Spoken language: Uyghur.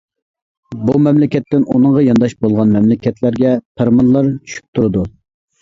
بۇ مەملىكەتتىن ئۇنىڭغا يانداش بولغان مەملىكەتلەرگە پەرمانلار چۈشۈپ تۇرىدۇ.